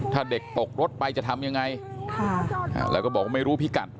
ถ้าเด็กตกรถไปจะทำยังไงแล้วก็บอกว่าไม่รู้พิกัด